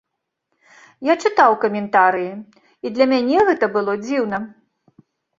Я чытаў каментарыі, і для мяне гэта было дзіўна.